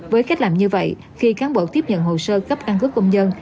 với cách làm như vậy khi cán bộ tiếp nhận hồ sơ cấp căn cứ công dân